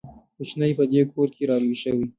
کوچنی په دې کور کې را لوی شوی.